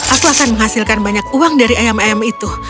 aku akan menghasilkan banyak uang dari ayam ayam itu